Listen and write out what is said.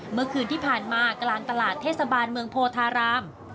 เมื่อคืนที่ผ่านมากลางตลาดเทศบาลเมืองโพธาราม